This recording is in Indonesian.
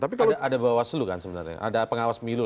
ada bawaslu kan sebenarnya ada pengawas milu